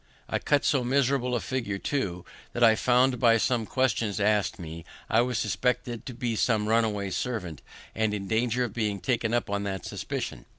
I cut so miserable a figure, too, that I found, by the questions ask'd me, I was suspected to be some runaway servant, and in danger of being taken up on that suspicion.